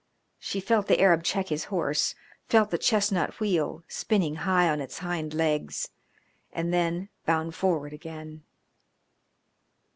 She felt the Arab check his horse, felt the chestnut wheel, spinning high on his hind legs, and then bound forward again.